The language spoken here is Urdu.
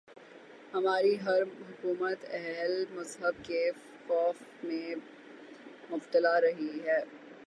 ہماری ہر حکومت اہل مذہب کے خوف میں مبتلا رہی ہے۔